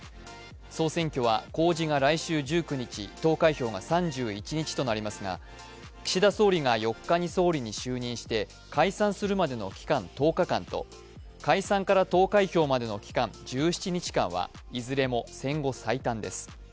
総選は公示が来月１９日、投開票が３１日となりますが、岸田総理が４日に総理に就任して解散するまでの期間１０日間と解散から投開票までの期間１７日間はいずれも戦後最短です。